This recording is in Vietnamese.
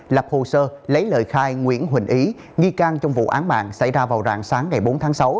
lập hồ sơ lấy lời khai nguyễn huỳnh ý nghi can trong vụ án mạng xảy ra vào rạng sáng ngày bốn tháng sáu